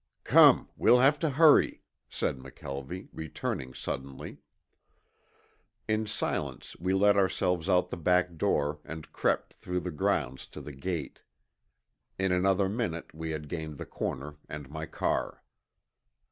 "Come, we'll have to hurry," said McKelvie, returning suddenly. In silence we let ourselves out the back door and crept through the grounds to the gate. In another minute we had gained the corner and my car.